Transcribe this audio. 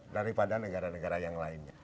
daripada negara negara yang lainnya